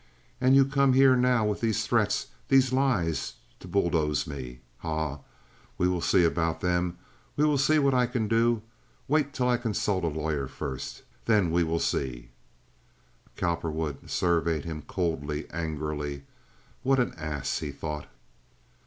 And you come here now weeth these threats, these lies to booldoze me. Haw! We weel see about them. We weel see what I can do. Wait teel I can consult a lawyer first. Then we weel see!" Cowperwood surveyed him coldly, angrily. "What an ass!" he thought.